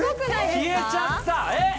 消えちゃったえっ！？